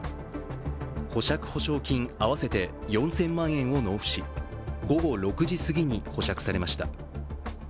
保釈保証金合わせて４０００万円を納付し午後６時すぎに保釈されました。